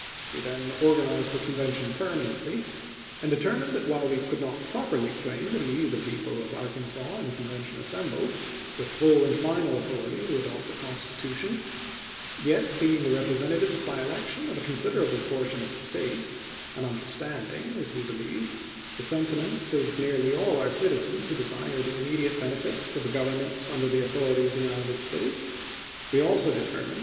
We then organized the Convention permanently, and determined that while we could not properly claim to be the people of Arkan sas in Convention assembled, with full and final authority to adopt a constitution, yet, being the representatives, by election, of a considerable por tion of the State, and understanding, as we believed, the sentiment of nearly all our citizens who desire Address *^® immediate benefits of a government under the c^m^mion authority of the United States, we also determined Toter.